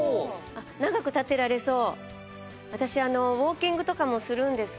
長く立っていられそう。